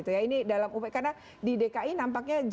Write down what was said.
karena di dki nampaknya